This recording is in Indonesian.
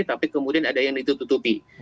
tapi kemudian ada yang ditutupi